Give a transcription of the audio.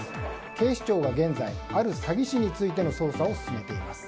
警視庁が現在ある詐欺師についての捜査を進めています。